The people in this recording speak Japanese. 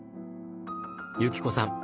由紀子さん